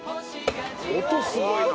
音すごいな。